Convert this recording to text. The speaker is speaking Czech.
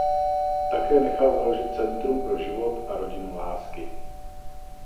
Také nechal založit Centrum pro život a Rodinu lásky.